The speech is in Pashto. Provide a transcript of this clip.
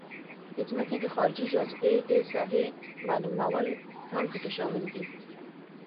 د ځمکې د خارجي جاذبې د ساحې معلومول هم پکې شامل دي